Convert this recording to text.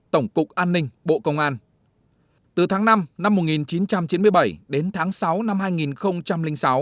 tổng cục an ninh bộ công an từ tháng năm năm một nghìn chín trăm chín mươi bảy đến tháng sáu năm hai nghìn sáu